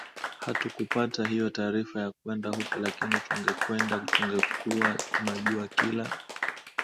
hatukupata hiyo taarifa ya kwenda huko lakini tungekwenda tungekuwa tunajua kila